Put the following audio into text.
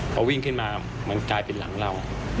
พอวิ่งขึ้นมามันกลายเป็นหลังเรา